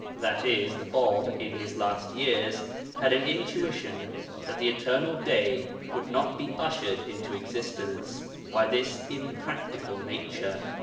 That is, the Bāb in his last years had an intuition that the eternal day would not be ushered into existence by this impractical nature.